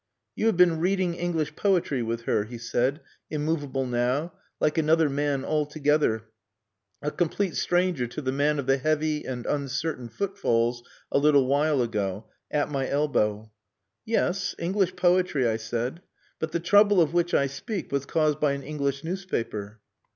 "You have been reading English poetry with her," he said, immovable now, like another man altogether, a complete stranger to the man of the heavy and uncertain footfalls a little while ago at my elbow. "Yes, English poetry," I said. "But the trouble of which I speak was caused by an English newspaper."